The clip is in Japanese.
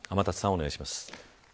お願いします。